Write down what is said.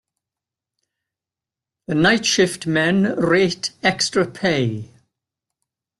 The night shift men rate extra pay.